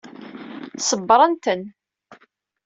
Ṣebbret-ten.